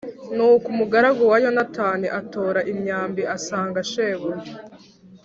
Nuko umugaragu wa Yonatani atora imyambi asanga shebuja.